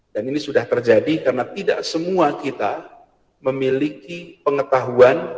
ini sudah terjadi karena tidak semua kita memiliki pengetahuan